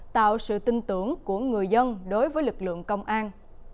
tạo sự tin tưởng của người dân đối với lực lượng công an